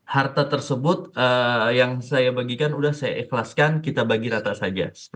harta tersebut yang saya bagikan udah saya ikhlaskan kita bagi rata saja